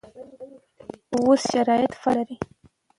اوس شرایط فرق لري.